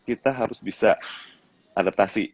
kita harus bisa adaptasi